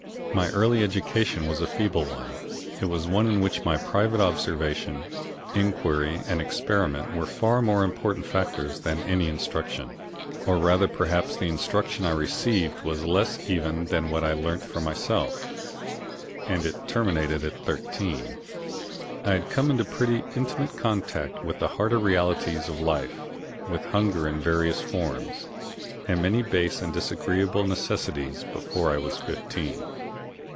My early education was a feeble one; it was one in which my private observation, inquiry and experiment were far more important factors than any instruction, or rather perhaps the instruction I received was less even than what I learnt for myself, and it terminated at thirteen. I had come into pretty intimate contact with the harder realities of life, with hunger in various forms, and many base and disagreeable necessities, before I was fifteen.